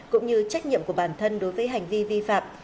cũng như trách nhiệm của bản thân đối với hành vi vi phạm